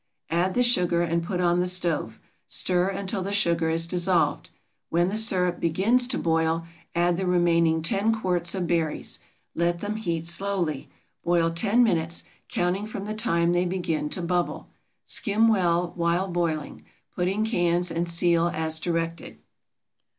Add the sugar and put on the stove; stir until the sugar is dissolved. When the sirup begins to boil, add the remaining 10 quarts of berries. Let them heat slowly. Boil ten minutes, counting from the time they begin to bubble. Skim well while boiling. Put in cans and seal as directed.